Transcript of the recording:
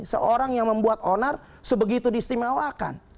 seorang yang membuat onar sebegitu diistimewakan